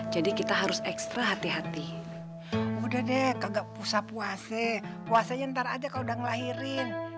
jadi kita harus ekstra hati hati buat ya udah deh agak usah puasa puasanya ntar aja kau udah ngelahiri